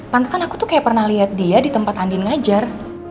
pantesan aku tuh kayak pernah lihat dia di tempat andi ngajar